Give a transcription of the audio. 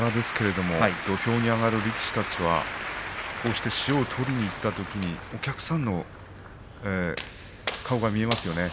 土俵に上がる力士たちはこうして塩を取りに行ったときにお客さんの顔が見えますよね。